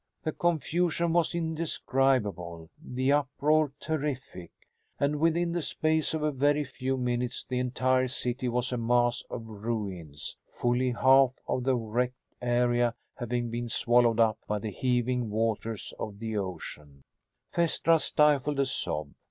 The confusion was indescribable, the uproar terrific, and within the space of a very few minutes the entire city was a mass of ruins, fully half of the wrecked area having been swallowed up by the heaving waters of the ocean. Phaestra stifled a sob.